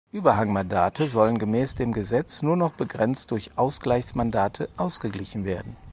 Überhangmandate sollen gemäß dem Gesetz nur noch begrenzt durch Ausgleichsmandate ausgeglichen werden.